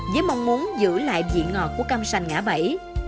với mong muốn giữ lại vị ngọt của cam sành ngã bảy